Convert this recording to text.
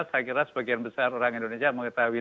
saya kira sebagian besar orang indonesia mengetahui